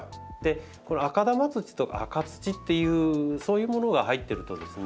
この赤玉土とか赤土っていうそういうものが入ってるとですね